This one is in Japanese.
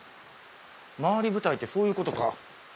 廻り舞台ってそういうことか。